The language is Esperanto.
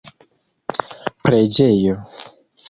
preĝejo